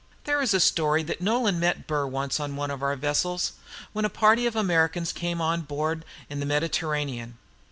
There is a story that Nolan met Burr once on one of our vessels, when a party of Americans came on board in the Mediterranean.